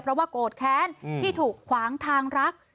เพราะว่าโกรธแค้นที่ถูกขวางทางรัก